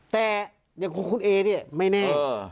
แต่อย่างของคุณเอเนี่ยไม่แน่